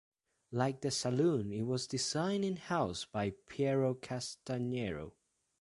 Like the saloon it was designed in-house by Piero Castagnero.